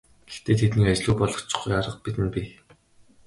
Гэхдээ тэднийг ажилгүй болгочихгүй арга бидэнд бий.